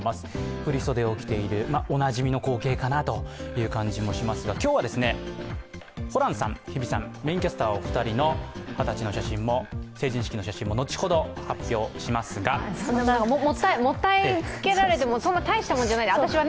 振り袖を着ているおなじみの光景かなという感じもしますが今日はホランさん、日比さんメインキャスターお二人の二十歳の写真、成人式の写真も後ほど発表しますがもったいつけられても、そんなたいしたもんじゃない、私はね。